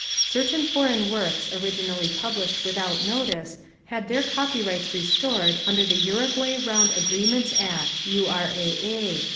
Certain foreign works originally published without notice had their copyrights restored under the Uruguay Round Agreements Act (URAA).